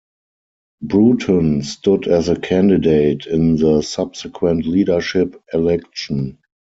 Bruton stood as a candidate in the subsequent leadership election.